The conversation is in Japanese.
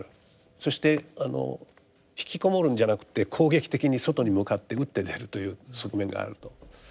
そしてあのひきこもるんじゃなくて攻撃的に外に向かって打って出るという側面があると。